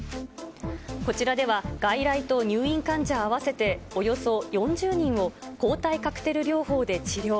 こちらでは外来と入院患者合わせておよそ４０人を抗体カクテル療法で治療。